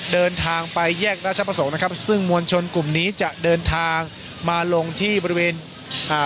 เดินทางไปแยกราชประสงค์นะครับซึ่งมวลชนกลุ่มนี้จะเดินทางมาลงที่บริเวณอ่า